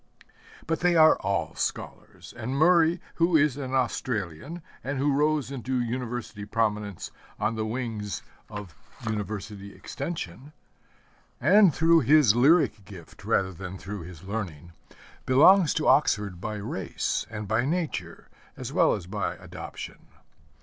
But they are all scholars, and Murray, who is an Australian, and who rose into University prominence on the wings of University Extension, and through his lyric gift rather than through his learning, belongs to Oxford by race and by nature, as well as by adoption.